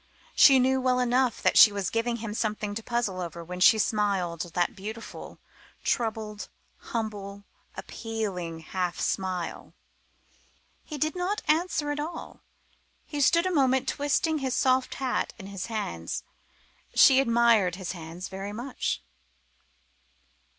She knew well enough that she was giving him something to puzzle over when she smiled that beautiful, troubled, humble, appealing half smile. He did not answer at all. He stood a moment twisting his soft hat in his hands: she admired his hands very much.